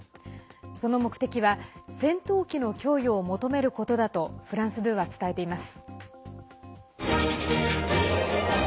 その目的は戦闘機の供与を求めることだとフランス２は伝えています。